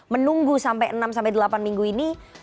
menunggu sampai enam sampai delapan minggu ini